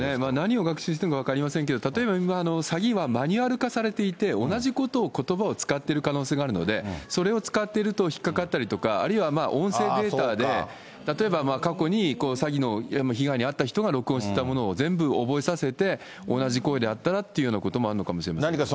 何を学習しているのか分かりませんけれども、例えば詐欺はマニュアル化されていて、同じことを、ことばを使っている可能性があるので、それを使っていると引っ掛かったりとか、あるいは音声データで、例えば過去に詐欺の被害に遭った人が録音してたものを全部覚えさせて、同じ声であったらというようなこともあるのかもしれません